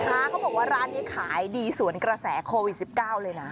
เขาบอกว่าร้านนี้ขายดีสวนกระแสโควิด๑๙เลยนะ